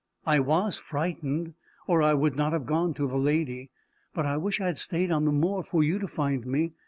"I was frightened, or I would not have gone to the lady. But I wish I had staid on the moor for you to find me.